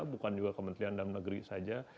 bukan juga kementerian dalam negeri saja